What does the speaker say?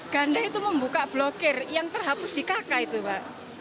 ganda itu membuka blokir yang terhapus di kk itu pak